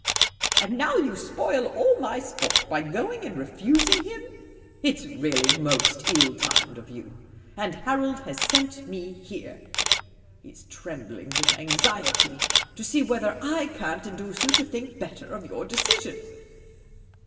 And now you spoil all my sport by going and refusing him ! It 's really most ill timed of you. And Harold has sent me here — he 's trembling with anxiety — to see whether I can't induce you to think better of your decision."